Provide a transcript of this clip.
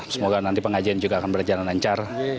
semoga nanti pengajian juga akan berjalan lancar